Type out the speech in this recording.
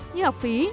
như học phí